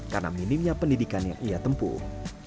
karena minimnya pendidikan yang ia tempuh